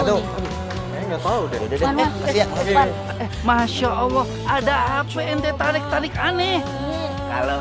ada yang paham orang kayaknya tahu masya allah ada hp ente tarik tarik aneh kalau